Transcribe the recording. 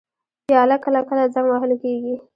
پیاله کله کله زنګ وهل کېږي.